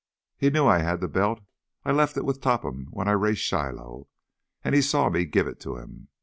"He knew I had the belt. I left it with Topham when I raced Shiloh, and he saw me give it to him.